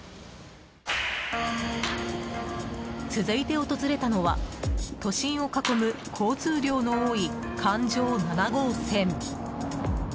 続いて訪れたのは、都心を囲む交通量の多い環状７号線。